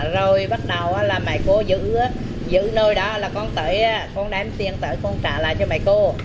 rồi bắt đầu là mấy cô giữ nồi đó là con đem tiền tới con trả lại cho mấy cô